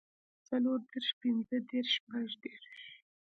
څلور دېرش پنځۀ دېرش شپږ دېرش